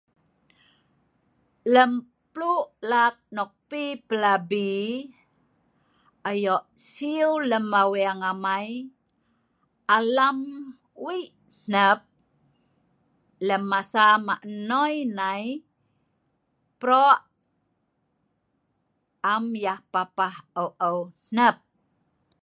Lem plu lak nok pi pelabi, ayo siu lem aweng amai alam wei' hnep, lem masa mah' noi nai pro' am yah papah eu-eu hnep.